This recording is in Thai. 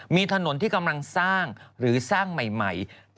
มีถนนที่กำลังสร้างหรือสร้างใหม่